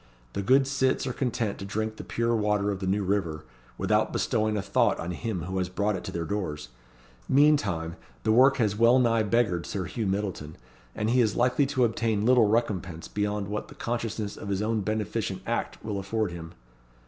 The good cits are content to drink the pure water of the New River, without bestowing a thought on him who has brought it to their doors. Meantime, the work has well nigh beggared Sir Hugh Myddleton, and he is likely to obtain little recompense beyond what the consciousness of his own beneficent act will afford him."